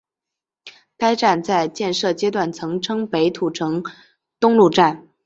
该站在建设阶段曾称北土城东路站。